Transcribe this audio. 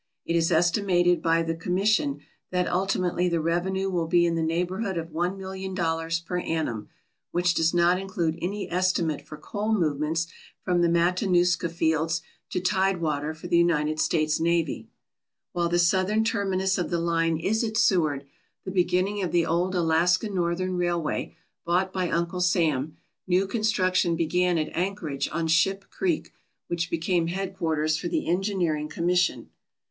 It is estimated by the Com mission that ultimately the revenue will be in the neigh bourhood of one million dollars per annum, which does not include any estimate for coal movements from the Matanuska fields to tidewater for the United States Navy. While the southern terminus of the line is at Seward, the beginning of the old Alaska Northern Railway, bought by Uncle Sam, new construction began at Anchor age on Ship Creek, which became headquarters for the Engineering Commission.